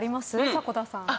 迫田さん。